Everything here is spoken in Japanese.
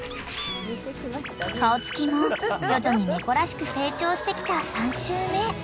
［顔つきも徐々に猫らしく成長してきた３週目］